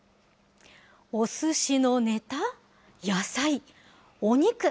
おすしのネタ、野菜、お肉。